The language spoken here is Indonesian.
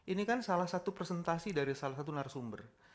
ini kan salah satu presentasi dari salah satu narasumber